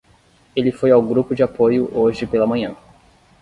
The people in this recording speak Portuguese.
Ele foi ao grupo de apoio hoje pela manhã.